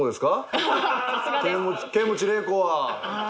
剣持麗子は？